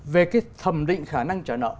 về cái thẩm định khả năng trả nợ